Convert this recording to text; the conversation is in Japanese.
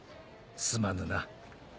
すまぬな。